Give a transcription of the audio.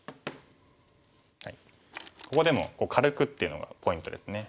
ここでも軽くっていうのがポイントですね。